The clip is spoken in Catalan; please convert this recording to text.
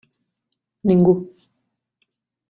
Ningú.